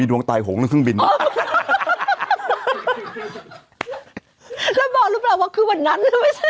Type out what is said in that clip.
ว่าคือวันนั้นหรือไม่ใช่